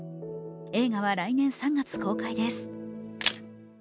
映画は来年３月公開です。